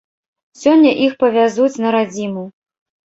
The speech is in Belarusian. Сёння іх павязуць на радзіму.